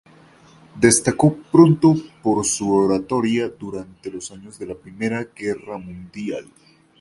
Destacó pronto por su oratoria durante los años de la Primera Guerra Mundial.